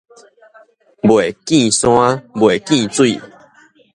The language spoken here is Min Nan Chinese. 未見山，未見水